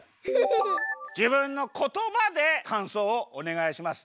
じぶんの言葉でかんそうをおねがいします。